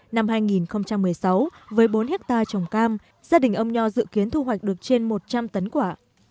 năm hai nghìn một mươi sáu với bốn hectare trồng cam gia đình ông nho dự kiến thu hoạch được trên một trăm linh tấn quả